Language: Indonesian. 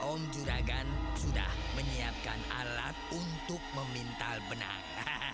om juragan sudah menyiapkan alat untuk memintal benang